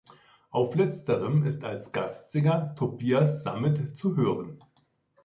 Auf letzterem ist als Gastsänger Tobias Sammet zu hören.